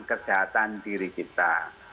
kesehatan diri kita